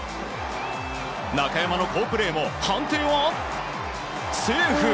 中山の好プレーも判定はセーフ。